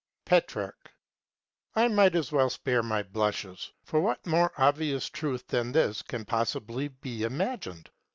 Petrarch. I might as well spare my blushes. For what more obvious truth than this can possibly be imagined?